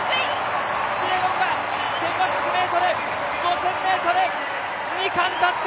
キピエゴンが１５００ｍ５０００ｍ２冠達成！